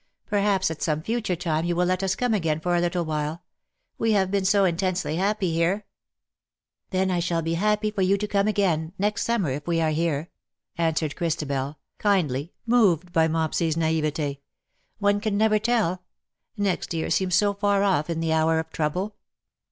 Perhaps at some future time you will let us come again for a little while. We have been so intensely happy here.^' ^' Then I shall be happy for you to come again — next summer, if we are here/' answered Christabel, kindly, moved by Mopsy's naivete :^' one can never tell. Next year seems so far ofi" in the hour of trouble.''